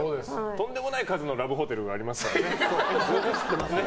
とんでもない数のラブホテルがありますからね。